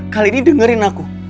kali ini dengerin aku